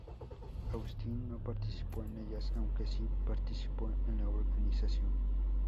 Austin no participó en ellas aunque si participó en la organización.